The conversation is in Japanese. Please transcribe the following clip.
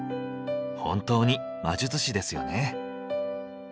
本当に魔術師ですよね。